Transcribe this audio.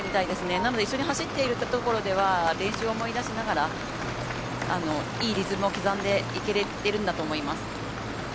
なので一緒に走っているところでは練習を思い出しながらいいリズムを刻んでいけれてるんだと思います。